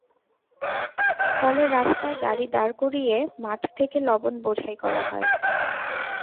ফলে রাস্তায় গাড়ি দাঁড় করিয়ে মাঠ থেকে লবণ বোঝাই করা হয়।